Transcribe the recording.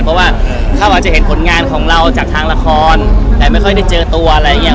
เพราะว่าเขาอาจจะเห็นผลงานของเราจากทางละครแต่ไม่ค่อยได้เจอตัวอะไรอย่างเงี้